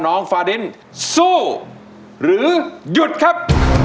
ฟาดินสู้หรือหยุดครับ